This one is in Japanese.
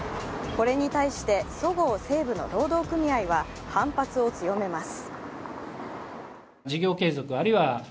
これに対してそごう・西武の労働組合は反発を強めます。